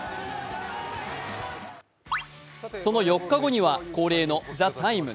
その４日後には恒例の「ＴＨＥＴＩＭＥ，」